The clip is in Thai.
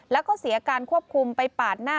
แล้วก็เสียการควบคุมไปปาดหน้า